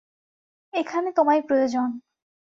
এখানে তোমায় প্রয়োজন।